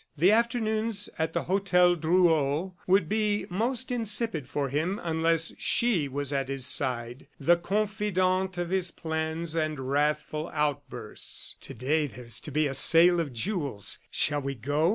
The afternoons at the hotel Drouot would be most insipid for him unless she was at his side, the confidante of his plans and wrathful outbursts. "To day there is to be a sale of jewels; shall we go?"